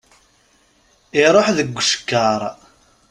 Iṛuḥ deg ucekkaṛ!